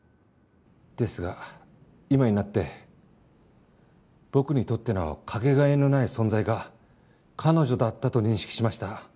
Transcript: ですが今になって僕にとってのかけがえのない存在が彼女だったと認識しました。